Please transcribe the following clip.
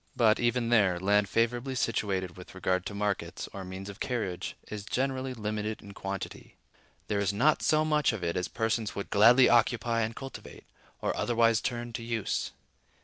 But, even there, land favorably situated with regard to markets, or means of carriage, is generally limited in quantity: there is not so much of it as persons would gladly occupy and cultivate, or otherwise turn to use.